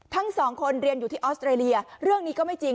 ทั้งสองคนเรียนอยู่ที่ออสเตรเลียเรื่องนี้ก็ไม่จริง